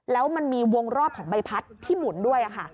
แล้วมันมีวงรอบของใบพัดที่หมุนด้วยค่ะ